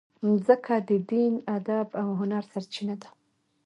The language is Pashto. مځکه د دین، ادب او هنر سرچینه ده.